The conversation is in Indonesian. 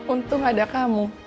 untung ada kamu